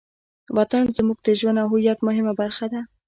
وطن زموږ د ژوند او هویت مهمه برخه ده.